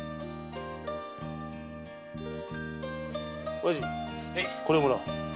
おやじこれをもらおう。